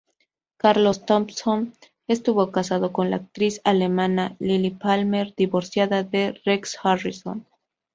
Carlos Thompson estuvo casado con la actriz alemana Lilli Palmer, divorciada de Rex Harrison.